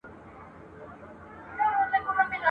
په همدې خاوري دښتوکي ..